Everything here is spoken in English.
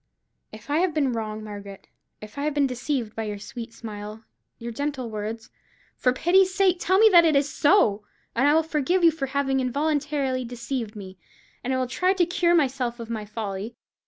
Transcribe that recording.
If I have been wrong, Margaret; if I have been deceived by your sweet smile, your gentle words; for pity's sake tell me that it is so, and I will forgive you for having involuntarily deceived me, and will try to cure myself of my folly.